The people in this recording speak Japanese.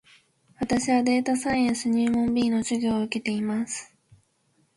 私はデータサイエンス入門 B の授業を受けています